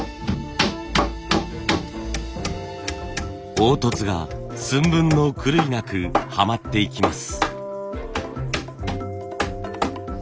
凹凸が寸分の狂いなくはまっていきます。